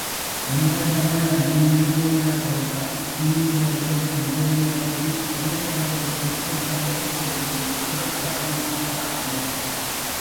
தங்களிடமுள்ள மென்மயிருள்ள தோல்கள், திமிங்கில எலும்பு முதலியவற்றை வெள்ளையரிடம் கொடுத்துத் தங்களுக்கு வேண்டிய பொருள்களை வாங்கலாயினர்.